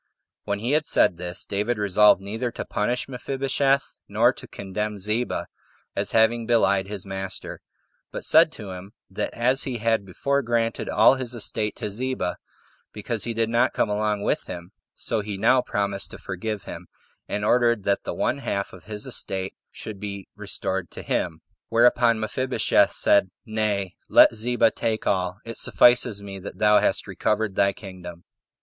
When he had said this, David resolved neither to punish Mephibosheth, nor to condemn Ziba, as having belied his master; but said to him, that as he had [before] granted all his estate to Ziba, because he did not come along with him, so he [now] promised to forgive him, and ordered that the one half of his estate should be restored to him. 20 Whereupon Mephibosheth said, "Nay, let Ziba take all; it suffices me that thou hast recovered thy kingdom."